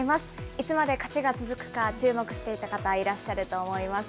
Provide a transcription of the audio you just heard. いつまで勝ちが続くか、注目していた方、いらっしゃると思います。